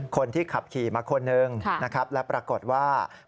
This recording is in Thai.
คนที่ขับขี่มาคนนึงนะครับและปรากฏว่า